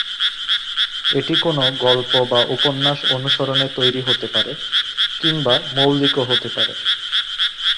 এটি কোন গল্প বা উপন্যাস অনুসরণে তৈরি হতে পারে, কিংবা মৌলিক-ও হতে পারে।